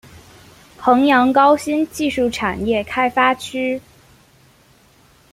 衡阳高新技术产业开发区